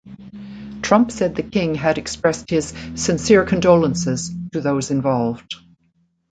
Trump said the king had expressed his "sincere condolences" to those involved.